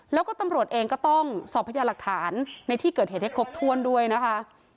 แล้วก็ตำรวจเองก็ต้องสอบพญาหลักฐานในที่เกิดเหตุให้ครบถ้วนด้วยนะคะ